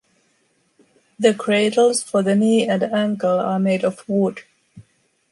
The cradles for the knee and ankle are made of wood.